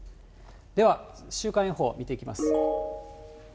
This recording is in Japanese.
では週間予報、見ていきます。